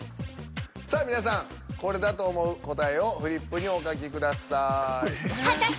さあ皆さんこれだと思う答えをフリップにお書きください。